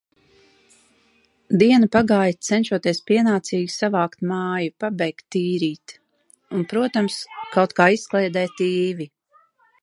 Diena pagāja, cenšoties pienācīgi savākt māju, pabeigt tīrīt. Un protams, kaut ka izklaidēt Īvi.